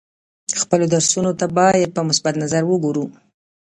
خپلو درسونو ته باید په مثبت نظر وګورو.